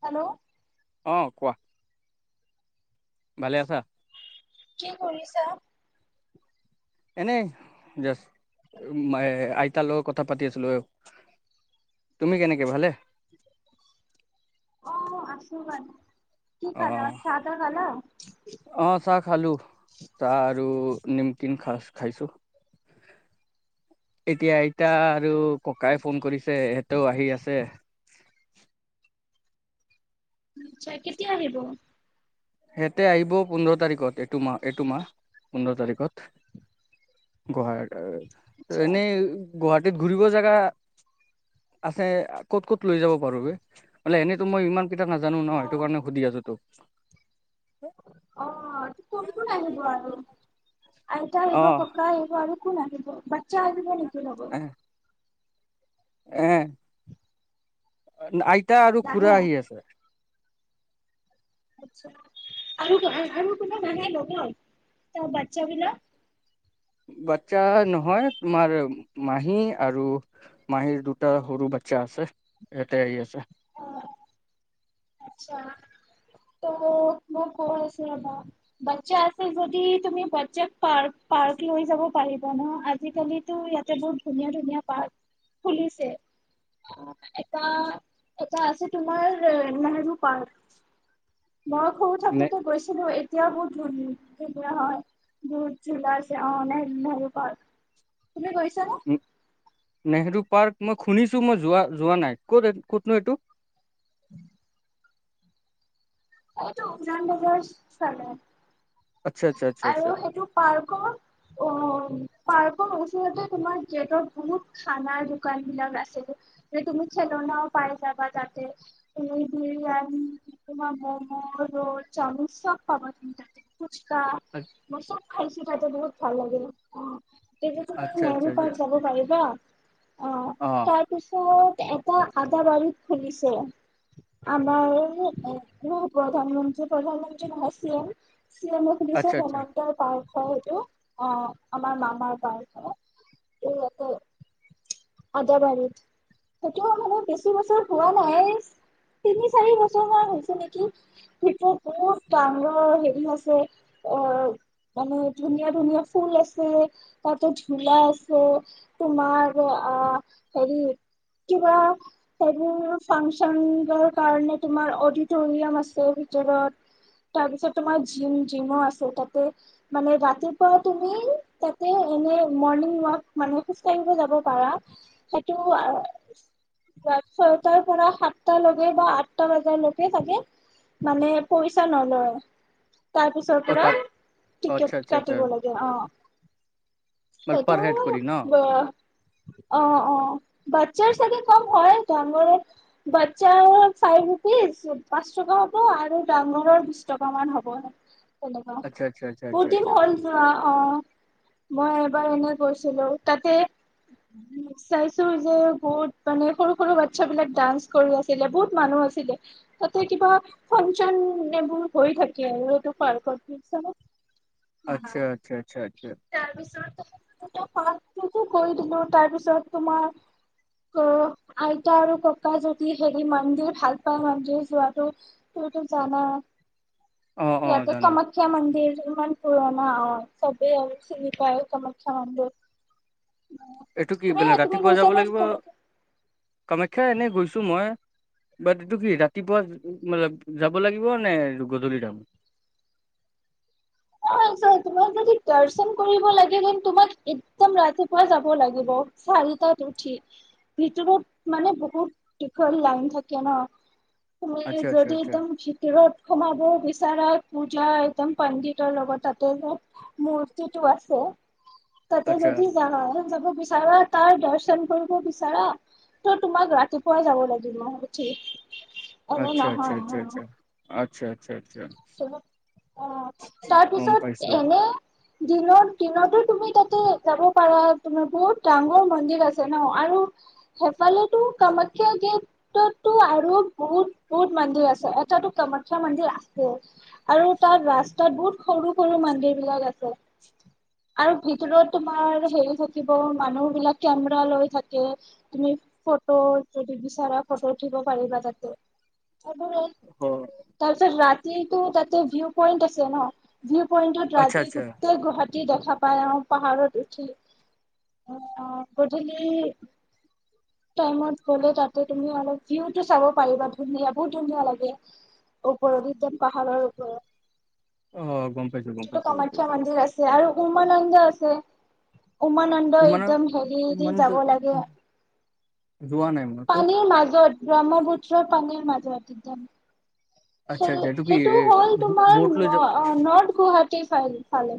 Hello অ কোৱা ভালে আছা কি কৰিছা এনেই জাষ্ট আইতাৰ লগত কথা পাতি আছিলো এ তুমি কেনেকে ভালে অ আছো বাৰু কি অ খালা? চাহ তাহ খালা? অহ চাহ খালো চাহ আৰু নিমকিন খাষ্ট খাইছো এতিয়া আইতা আৰু ককাই ফোন কৰিছে এহেতেও আহি আছে আচ্ছা কেতিয়া আহিব সিহঁতে আহিব পোন্ধৰ তাৰিখত এটো মাহ এটো মাহ পোন্ধৰ তাৰিখত গোহই আচ্ছা, এনেই গুৱাহাটী ত ঘুৰিব জেগা আছে ক'ত ক'ত লৈ যাব পাৰো মানে এনেতো মই ইমান কেইটা নাজানো ন সেইটো কাৰণে অ' সুধি আছো তোক [inaudible] অ কোন কোন আহিব আৰু আইতা আহিব অ ককা আহিব আৰু একো লাগিব বাচ্ছা আহিব নেকি লগত এ এ আইক আইতা আৰু নাহে। খুৰা আহি আছে আৰু কোনে আৰু কোনো নাহে নলয় তাৰ বাচ্ছা বিলাক বাচ্ছা নহয় তোমাৰ মাহী আৰু মাহীৰ দুটা সৰু বাচ্ছা আছে ইয়াতে আহি আছে অ' আচ্ছা ত মই কৈছিলো বা বাচ্ছা আছে যদি তুমি বাচ্ছাক পাৰ্ক লৈ যাব পাৰিবা ন আজিকালিতো ইয়াতে বহুত ধুনীয়া ধুনীয়া পাৰ্ক খুলিছে এটা আছে তোমাৰ তোৰ পাক মই সৰু থাকোঁতেই নে গৈছিলো এ তেতিয়া মোৰ ভন্টী বিয়াৰ হোৱা হ'লে হয় বহুত ঝুলাছে অ ন নেহৰু প নে নেহৰুক পাৰ্ক মই শুনিছো মই যোৱা যোৱা নাই ক'ত ক'তনো এইটো উম এইটো উৰাান বজাৰ আচ্ছা আচ্ছা আচ্ছা আৰু সেইটো পাৰ্কৰ অ পাৰ্কৰ অ ওচৰত তোমাৰ গেটত বহুত খানা দোকান বিলাক আছিল যিহেতু মোক চেলুনত পাই ৰাভা যাতে তুমি খেলনাও পাই যাবা তাতে তুমি বিৰিয়ানী তোমাৰ মম ৰ'ল চামুচা চব পাবাত তাতে ক ক। কচম খাছো বাইদেউ খাইতে বহুত ভাল লাগিল অ তেতিয়া আচ্ছা তুমি আচ্ছা আচ্ছা নেহৰু আচ্ছা পাৰ্কত যাব পাৰিবা অ তাৰপিছত এটা আদা বাৰীত খুলিছে আমাৰো ন প্ৰধান মন্ত্ৰী প্ৰধানমন্ত্ৰী ভাই চিএম চি এছ সুধিছে আচ্ছা আচ্ছা সিমান্ত পাৰ অ সোণতো অ আমাৰ মামাৰ পাৰ এইয়ে আদাবাৰীত সেইটো মানে বেছি বছৰ পোৱা নাই তিনি চাৰি বছৰমান হৈছে নেকি কি বহুত ডাঙৰ হেৰি আছে অ মানে ধুনীয়া ধুনীয়া ফুল আছে তাত বোলে জোলা আছে তোমাৰ আ হেৰি কিবা সেইবোৰ ফাংচন কাৰণে তোমাৰ অ টোনিয়াম আছে ভিতৰত তাৰপিছত তোমাৰ জিম জিমো আছে তাতে মানে ৰাতিপুৱা তুমি তাতে এনে মৰ্ণিং ৱাক মানে খোজ কঢ়িব যাব পাৰা সেইটো ছয়টাৰ পৰা সাতটালকে বা আঠটা বজকে থাকে থাকে মানে পইচা নলয তাৰপিছৰ অ পৰা তাত অ টিকেট আচ্ছা আচ্ছা আচ্ছা কাটিব লাগে অ মানে পাৰ হেড কৰি ন সেইটো অ অ বাট ছাৰ চাগে কম হয় ডাঙৰ বাচ্ছাৰ ফাইভ ৰুপিজ পাঁচ টকা হ'ব আৰু ডাঙৰৰ বিশ টকা মান হ'বহ আচ্ছা আচ্ছা আচ্ছা বহুত আচ্ছা দিন আচ্ছা যোৱা অ মই এবাৰ এনে গৈছিলো তাতে চাইছো যে বহুত মানে সৰু সৰু বাচ্ছা বিলাক ডান্স কৰি আছিলে বহুত মানুহ আছিলে তাতে কিবা ফংচনেবোৰ হৈ থাকে আৰু এইটো পাৰ্কৰ আচ্ছা আচ্ছা আচ্ছা আচ্ছা আচ্ছা এটা পাৰ্ক কৈ দিলো তাৰ পিছত তোমাৰ আইতা আৰু ককা যদি হেৰি মন্দিৰ ভাল পাই মন্দিৰ যোৱাতটো তুমিতো জানা অ অ ইয়াতে জানো কামাখ্যা মন্দিৰটো ইমান পুৰণা অ চবেই চি বি পায় মুখ্য মন্দিৰ এইটো কি তুমি বেলা তুমি ৰাতিপুৱা গৈছা যাব নে লাগিব কামাখ্যা কামাখ্যা এনেই গৈছো মই বাট এইটো কি ৰাতিপুৱা যাব লাগিব নে গধূলি যাম অ তোমাক যদি দৰ্শন কৰিব লাগে হন তোমাক যদি দৰ্শন কৰিবএকদম ৰাতিপুৱা যাব লাগিব চাৰিটাত উঠি ভিতৰত মানে বহুত দীঘল লাইন থাকে ন আচ্ছা আচ্ছা যদি আচ্ছা একদম ভিতৰত সোমাব বিচাৰ পূজা একদম পণ্ডিত ৰ লগত তাতে এটা মূৰ্তিটো আছে তাতে আচ্ছা যদি যা যাব বিচাৰা তাৰ দৰ্শন কৰিব বিচাৰা ত তোমাক ৰাতিপুৱা যাব লাগিব ম উঠি আচ্ছা, আচ্ছা, আচ্ছা, আচ্ছা আচ্ছা। আচ্ছা অঁ গম পাইছো তাৰপিছত এনে দিনৰ দিনতো তুমি তাতে যাব পাৰা, তোমাৰ বহুত ডাঙৰ মন্দিৰ আছে ন আৰু সেইফালেটো কামাখ্যা গেটতো আৰু বহুত বহুত মন্দিৰ আছে এটাটো কামাখ্যা মন্দিৰ আছে আৰু তাত ৰাস্তাত বহুত সৰু সৰু মন্দিৰ বিলাক আছে। আৰু ভিতৰত তোমাৰ হেৰি থাকিব মানুহ বিলাক কেমেৰা লৈ থাকে তুমি ফটো যদি বিচাৰা ফটো উঠিব পাৰিবা তাতে তাৰ অ পিছত ৰা যিটো তাতে ভিউ পইন্ট, আছে ন ভিউ পইণ্টত আচ্ছা ৰাতি আচ্ছা গোটেই গুৱাহাটী দেখা পাই অ পাহাৰত উঠি আঁহ গধূলি টাইমত গলে তাতে তুমি অলপ ভিউটো চাব পাৰিবা, ধুনীয়া বহুত ধুনীয়া লাগে ওপৰত একদম পাহাৰৰ ওপৰত অঁ গম পাইছো, গম যিটো পাইছো, গম কামাখ্যা পাইছো মন্দিৰ আছে আৰু উমানন্দ আছে। উমানন্দ উমানৰ একদম হেৰি এৰি উমানত যাব লাগে যোৱা নাই মই ক'ত পানীৰ মাজত গ্ৰমত ফুত ছ পানীৰ মাজত [unintelligible] সে আচ্ছা আচ্ছা এইটো কি সেইটো এ হ'ল তোমাৰ ব'ট লৈ যা ন নৰ্থ গুৱাহাটী। ফাইল ফালে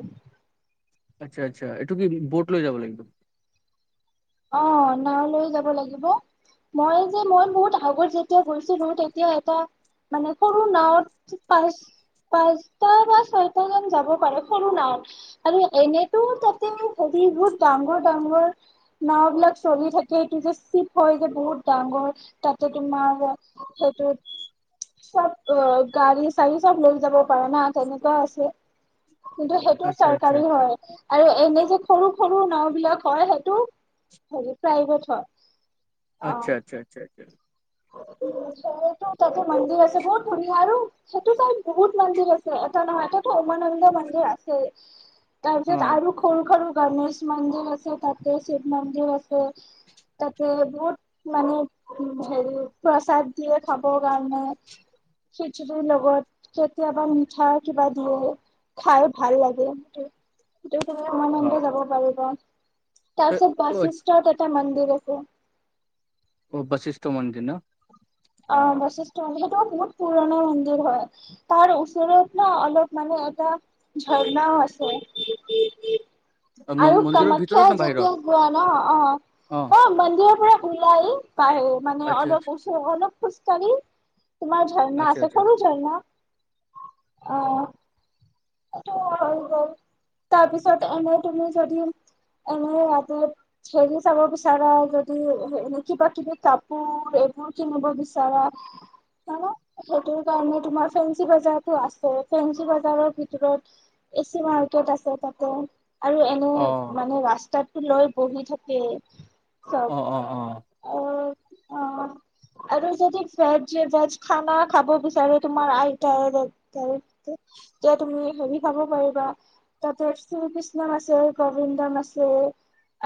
আচ্ছা আচ্ছা এইটো কি বৌট লৈ যাব লাগিব? অ নাও লৈ যাব লাগিব মই যে মই বহুত আগত যেতিয়া গৈছিলো তেতিয়া এটা মানে সৰু নাওত পাঁচ পাঁচটা বা ছয়টা জন যাব পাৰে সৰু নাৱত আৰু এনেতো তাতে হেৰি বহুত ডাঙৰ ডাঙৰ নাওবিলাক চলি থাকে এইটো যে চিপ হয় যে বহুত ডাঙৰ তাতে তোমাৰ সেইটো চব অ গাড়ী চাৰি চব লৈ যাব পাৰা না তেনেকুৱা আছে। কিন্তু সেইটো আচ্ছা আচ্ছা চৰকাৰী আচ্ছা হয় আৰু এনে যে সৰু সৰু নাও বিলাক হয় সেটো হেৰি প্ৰাইভেট হয়। আত্চ্ছা অ', আত্চ্ছা আত্চ্ছা আচ্ছা [unintelligible] তাতে মন্দিৰ আছে বহুত ধুনীয়া আৰু সেইটো চাইট বহুত মন্দিৰ আছে এটা নহয় এটা উমানন্দ মন্দিৰ আছে। অ তাৰপিছত আৰু সৰু সৰু গণেশ মন্দিৰ আছে তাতে শিৱ মন্দিৰ আছে তাতে বহুত মানে হেৰি প্ৰসাদ দিয়ে খাব কাৰণে খিচিৰি লগত কেতিয়াবা মিঠা কিবা দিয়ে খাই ভাল লাগে। তেওঁ তোমাৰ অ উমানন্দ অ যাব পাৰিব। তাৰছত বাছষ্টাৰ এটা মন- দিৰাছে অ বাশিষ্ঠ মন্দিৰ ন? অ বশিষ্ঠ মন্দিৰ সেইট বহুত পুৰণা মন্দিৰ হয় তাৰ ওচৰত ন অলপ মানে এটা ঝৰ্ণাও আছে। অ, মন- আৰু মন্দিৰৰ কামাখ্যা ভিতৰত নে যেতিয়া বাহিৰত গোৱা ন অ অ মন্দিৰৰ পৰা [unintelligible] পায় মানে আচ্ছা অলপ আচ্ছা ওচৰত অলপ খোজকাঢ়ি। তোমাৰ ঝাৰণা আচ্ছা আছে আচ্ছা সৰু ঝাৰণা অ', তাৰপিছত এনে তুমি যদি এনে হেৰি চাব বিচাৰা, যদি কিবা কিবি কাপোৰ এইবোৰ কিনিব বিচাৰা সেইটোৰ কাৰণে তুমাৰ ফেঞ্চি বজাৰতটো আছে ফেঞ্চি বজাৰৰ ওচৰত এচি মাৰ্কেট আছে তাতে আৰু এনে অ মানে ৰাস্তাত লৈ বহি থাকে। অ', চব অ', অ', আৰু অ', আৰু যদি ভেজ, ভেজ খানা খাব বিচাৰে তোমাৰ আইতাৰে তুমি হেৰি খাব পাৰিবা তাতে শ্ৰী কৃষ্ণ আছে গোবিন্দন আছে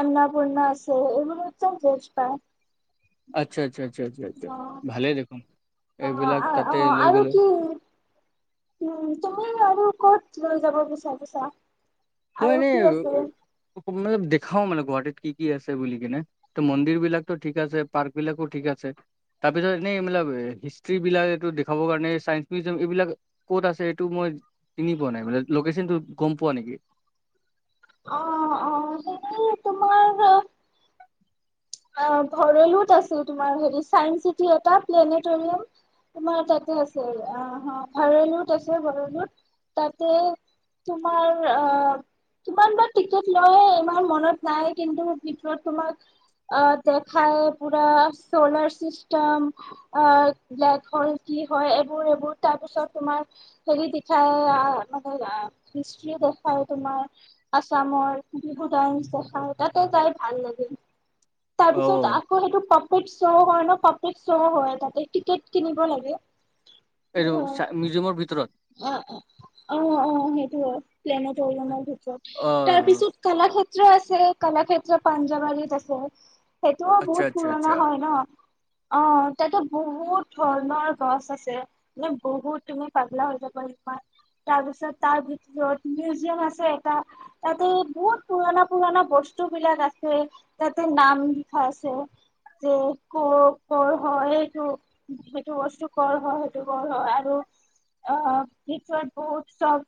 আন্নাপূৰ্ণা আছে এইবোৰ একদম বেজ পায়। আচ্ছা, আচ্ছা। আচ্ছা, আচ্ছা, আচ্ছা ভালে দেখোন। এইবিলাক অ', তাতে অ', লৈ আৰু গ'লে কি? উ'ম তুমি আৰু ক'ত লৈ যাব বিচাৰিছা। মই আৰু এনেই কি আছে? মান দেখাও মানে গুৱাহাটী কি, কি আছে বুলি কিনে ত মন্দিৰ বিলাক ঠিক আছে পাৰ্ক বিলাকো ঠিক আছে তাৰ পিছত এনেই হিষ্ট্ৰী বিলাক এইটো দেখাব কাৰণে চাইন্স মিউজিয়াম এইবিলাক ক'ত আছে এইটো মই চিনি পোৱা নাই লোকেচনটো গম পোৱা নেকি? অ', অ', সেইতো তোমাৰ অ', ভৰলোত আছে তোমাৰ হেৰি চাইন্স চিটি এটা প্লেনেটৰিয়াম তোমাৰ তাতে আছে আহ ভৰলোত আছে, ভৰলোত তাতে তোমাৰ আহ কিমান বা টিকেট লয় ইমান মনত নাই কিন্তু ভিতৰত তোমাক আহ দেখায় পুৰা চলাৰ চিষ্টেম ব্লেক হল কি হয়, এইবোৰ এইবোৰ তাৰপিছত তোমাৰ হেৰি দেখাই মানে হিষ্ট্ৰি দেখায় তোমাৰ আছামৰ বিহু দাৰ্চ দেখায় তাতে যাই ভাল লাগিল। তাৰ অ পিছত আকৌ সেইটো প ফুড শ্বৱ হয় ন পাব্লিক শ্বৱ হয় তাতে টিকেট কিনিব লাগে। এইটো চা মিউজিয়মৰ ভিতৰত। অ', অ', অ', অ', সেইটো প্লেনটৰিয়ামৰ ভিতৰত অ তাৰ পিছত কলাক্ষেত্ৰ ক্ষেত্ৰ আছে কলাক্ষেত্ৰ পাঞ্জাবাৰীত আছে। সেইটোও আচ্ছা বহুত আচ্ছা আচ্ছা পুৰণা হয় ন। অ', তাতে বহুত ধৰণৰ গছ আছে মানে বহুত তুমি পাগলা হৈ ত তাৰপিছত তাৰ ভিতৰত মিউজিয়াম আছে, এটা তাতে বহুত পুৰণা পুৰণা বস্তু বিলাক আছে তাতে নাম লিখা আছে যে ক কৰ হয় সেইটো সেইটো বস্তু কৰ হয় সেইটো কৰ হয় আৰু অ', অ', পিছত বহুত চব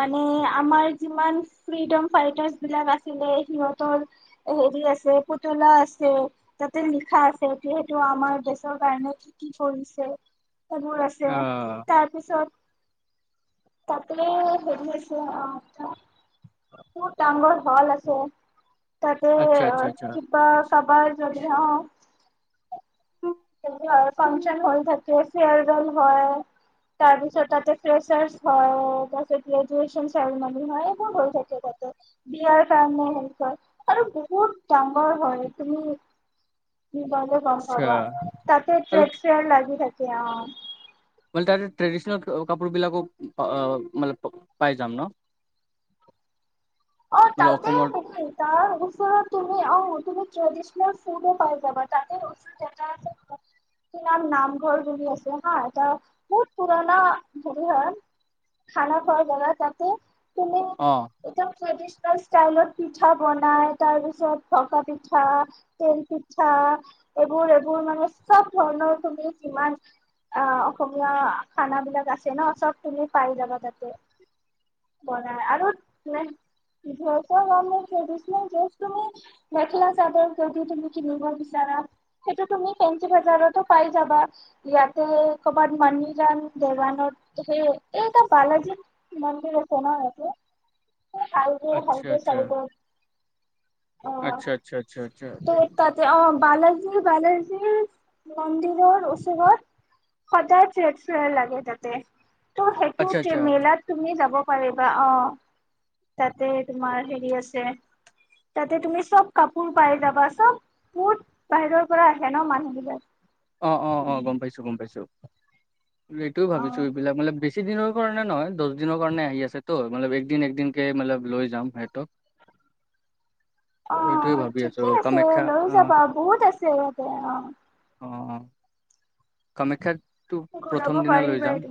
মানে আমাৰ যিমান ফ্ৰীডম ফাইটাৰ্চ বিলাক আছিলে সিহঁতৰ হেৰি আছে পুতলা আছে তাতে লিখা আছে যিহেতু আমাৰ দেশৰ কাৰণে কি কি কৰিছে। সেইবোৰ আছে আহ তাত তাতে হেৰি আছে অ', খুব ডাঙৰ হল আছে। চব তাতে আচ্ছা আচ্ছা আচ্ছা কিবা কাবাৰ যদি অ', ফাংচন হয় থাকে। ফোৰেল হয় তাৰ পিছত তাতে ফ্ৰোৰ হয় তাৰিছত গ্ৰেজচন চেৰিম হয় এইবোৰ হৈ থাকে তাতে বিয়াৰ কাৰণ হয় আৰু বহুত ডাঙৰ হয় কি বলে গম পা আচ্ছা তাতে আৰু ট্ৰেপ চোৰ লাগি থাকে এতিয়া মো তাৰে ট্ৰেডিচনেল কাপোৰবলাকো মানে পাই যাম ন অ মানে তাতে অসমৰ তাৰ ওচৰত তুমি আহ তুমি ট্ৰেডিচনেল ফুডো পোৱা যাবা তাতে চ এটা আছে নাম নামঘৰ বুলি আছে হা এ বহুত পুৰণা ধৰি খানা খোৱা জাগা তাতে তুমি অ একদম ট্ৰেডিচনেল ষ্টাইলত পিঠা বনাই তাৰ পিছত ভকা পিঠা তেল পিঠা এইবোৰ এইবোৰ মানে চব ধৰণৰ তুমি যিমান আহ অসমীয়া খানাবলাক আছে ন চব তুমি পাই যাবা তাতে বনাই আৰু্ দেছৰকাৰণে ট্ৰেডিচনেল তুমি মেখেলা চাদৰ যদি তুমি কিনিব বিচাৰা সেইটো তুমি পেঞ্চি বজাৰতো পাই যাবা ইয়াতে কৰ'বাত মিজ দেৱানত সেই এইটা বালাজী মন্দিৰ আ কনা হালকো আচ্ছা সালকো আচ্ছা চালকো আচ্ছা আচ্ছা আচ্ছা ত আচ্ছা তাতে অ বালাজীৰ বালাজীৰ মন্দিৰৰ ওচৰত সদায় ট্ৰেড ফেৰ লাগে তাতে ত সেইটো আচ্ছা যে আচ্ছা মেলাত তুমি যাব পাৰিবা অ তাতে তোমাৰ হেৰি আছে তাতে তুমি চব কাপোৰ পাই যাবা চব বত বাহিৰৰ পৰা আহে ন মানুহ বিলাক অ অ অ গম পাইছো গম পাইছো এইটোয়ও অ ভাবিছো এইবিলাক মানে বেছি বছিদিনৰ কাৰণে নহয় দহ দিনৰ কাৰণে আহি আছেতো মপ একদিন একদিনকে ম লৈ যাম সিহঁতক আহ এইটোয়ে ভাবি আছো ঠিকে আছে কামাখ্যা লৈ অ যাবা বহুত আছে ইয়াতে অ অ কামাখ্যাতটো ঘূৰাব প্ৰথম দিনা লৈ যাম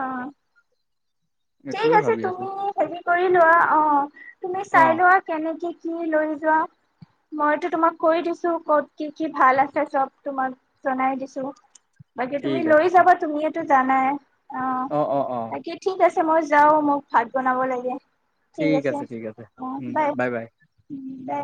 আহ ঠিক এইটোয়ে আছে ভাবি আছো তুমি হেৰি কৰি লোৱা অ তুমি অ চাই লোৱা কেনেকৈ কি লৈ যোৱা মইতো তোমাক কৈ দিছো কত কি কি ভাল আছে চব তোমাক জনাই দিছো বাকি ঠিক তুমি আছে লৈ ঠিক যাবা তুমিয়ো জানাই অ অ অ তাকে ঠিক আছে মই যাও মোক ভাত বনাব লাগে ঠিক আছে অ বাই উ বাই